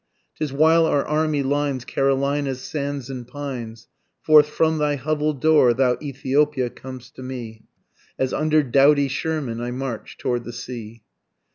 ('Tis while our army lines Carolina's sands and pines, Forth from thy hovel door thou Ethiopia com'st to me, As under doughty Sherman I march toward the sea.)